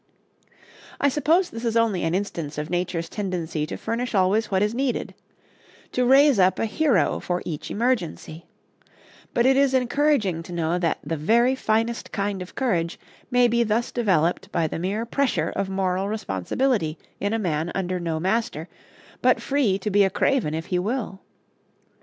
I suppose this is only an instance of nature's tendency to furnish always what is needed, to raise up a hero for each emergency; but it is encouraging to know that the very finest kind of courage may be thus developed by the mere pressure of moral responsibility in a man under no master, but free to be a craven if he will.